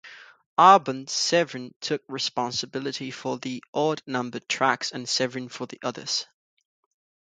Arban Severin took responsibility for the odd-numbered tracks and Severin for the others.